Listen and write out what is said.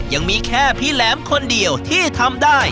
ยังมีแค่พี่แหลมคนเดียวที่ทำได้